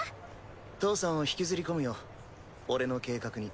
義父さんを引きずり込むよ俺の計画に。